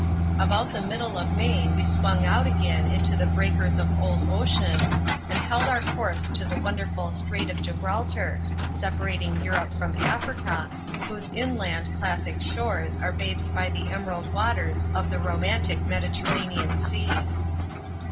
About the middle of May we swung out again into the breakers of old ocean, and held our course to the wonderful "Strait of Gibraltar," separating Europe from Africa, whose inland, classic shores are bathed by the emerald waters of the romantic Mediterranean Sea.